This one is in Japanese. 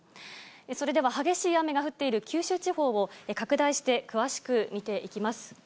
それでは激しい雨が降っている九州地方を、拡大して詳しく見ていきます。